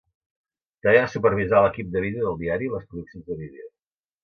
També va supervisar l'equip de vídeo del diari i les produccions de vídeo.